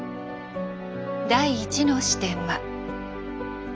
第１の視点は。